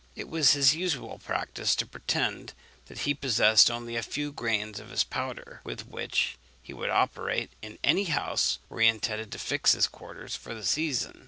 It was his usual practice to pretend that he possessed only a few grains of his powder, with which he would operate in any house where he intended to fix his quarters for the season.